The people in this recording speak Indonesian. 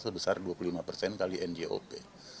sebesar dua puluh lima persen kali njop